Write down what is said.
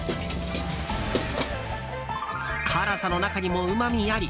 辛さの中にもうまみあり。